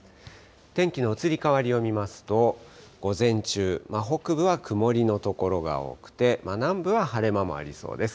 天気の移り変わりを見ますと、午前中、北部は曇りの所が多くて、南部は晴れ間もありそうです。